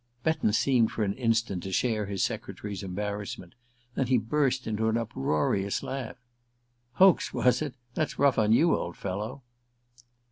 Betton seemed for an instant to share his secretary's embarrassment; then he burst into an uproarious laugh. "Hoax, was it? That's rough on you, old fellow!"